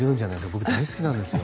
僕、大好きなんですよ。